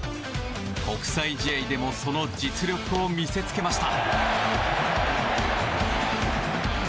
国際試合でもその実力を見せつけました。